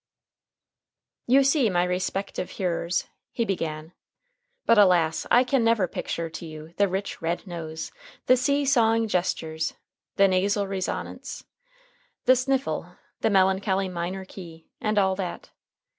"You see, my respective hearers," he began but alas! I can never picture to you the rich red nose, the see sawing gestures, the nasal resonance, the sniffle, the melancholy minor key, and all that.